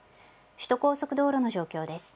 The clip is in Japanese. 首都高速道路の状況です。